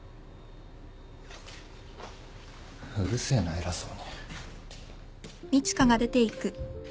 うるせえな偉そうに。